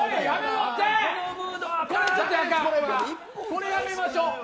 これやめましょう。